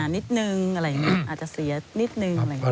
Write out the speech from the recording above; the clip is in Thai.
นิดนึงอะไรอย่างนี้อาจจะเสียนิดนึง